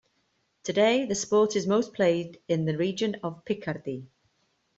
Today, the sport is most played in the region of Picardy.